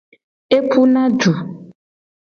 Epuna du.